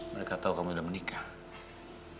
mereka tahu kamu udah menikah